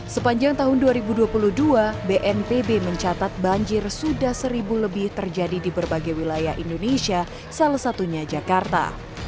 sepanjang tahun dua ribu dua puluh dua bnpb mencatat banjir sudah seribu lebih terjadi di berbagai wilayah indonesia salah satunya jakarta